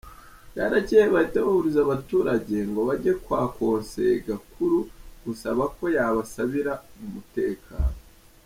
Bwaracyeye bahita bahuruza abaturage ngo bajye kwa konseye Gakuru gusaba ko yabasabira umutekano.